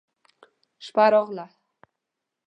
شپه راغله.